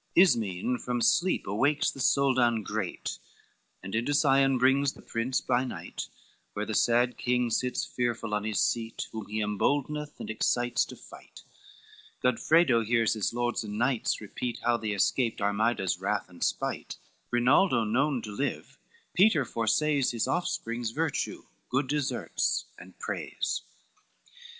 Ismen from sleep awakes the Soldan great, And into Sion brings the Prince by night Where the sad king sits fearful on his seat, Whom he emboldeneth and excites to fight; Godfredo hears his lords and knights repeat How they escaped Armida's wrath and spite: Rinaldo known to live, Peter foresays His Offspring's virtue, good deserts, and praise.